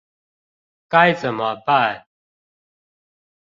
該怎麼辦